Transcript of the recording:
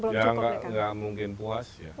ya tidak mungkin puas